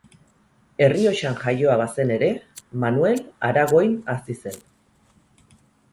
Errioxan jaioa bazen ere, Manuel Aragoin hazi zen.